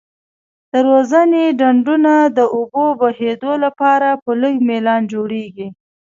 د روزنې ډنډونه د اوبو بهیدو لپاره په لږ میلان جوړیږي.